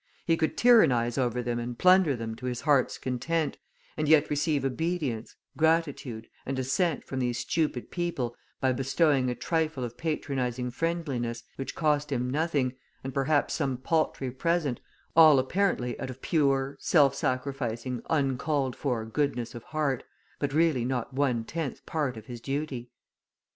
He could tyrannise over them and plunder them to his heart's content, and yet receive obedience, gratitude, and assent from these stupid people by bestowing a trifle of patronising friendliness which cost him nothing, and perhaps some paltry present, all apparently out of pure, self sacrificing, uncalled for goodness of heart, but really not one tenth part of his duty.